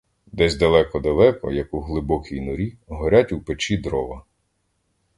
Десь далеко-далеко, як у глибокій норі, горять у печі дрова.